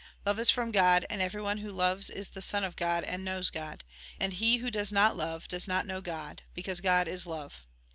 Love is from God, and everyone who loves is the son of God, and knows God. And he who does not love, does not know God. Because God is love.